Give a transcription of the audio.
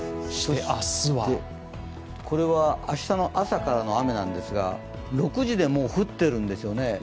これは明日の朝からの雨なんですが６時で、もう降ってるんですよね。